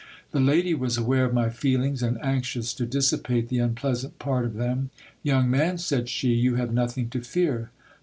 The lady was aware of my feelings, and anxious to dissipate the unpleasant part of them, Young man, said she, you have nothing to fear.